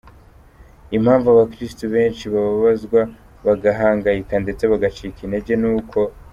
Impamvu abakristo benshi bababazwa bagahangayika ndetse bagacika n'intege ni uko.